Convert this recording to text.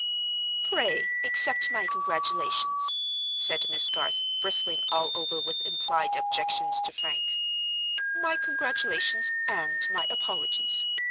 "Pray accept my congratulations," said Miss Garth, bristling all over with implied objections to Frank—"my congratulations, and my apologies.